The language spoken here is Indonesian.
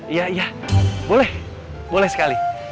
iya boleh boleh sekali